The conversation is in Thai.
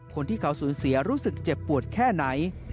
คนที่เขาสูญเสียรู้สึกเจ็บปวดแค่ไหน